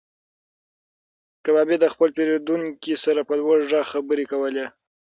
کبابي د خپل پیرودونکي سره په لوړ غږ خبرې کولې.